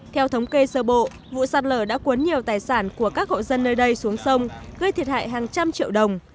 theo thống kê sơ bộ vụ sạt lở đã cuốn nhiều tài sản của các hộ dân nơi đây xuống sông gây thiệt hại hàng trăm triệu đồng